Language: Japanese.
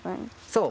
そう。